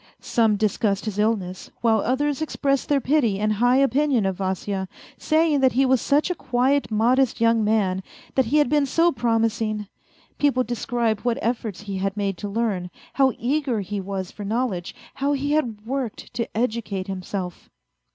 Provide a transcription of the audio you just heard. Some dis cussed his illness, while others expressed their pity and high A FAINT HEART 197 opinion of Vasya, saying that he was such a quiet, modest young man, that he had been so promising; people described what efforts he had made to learn, how eager he was for knowledge, how he had worked to educate himself.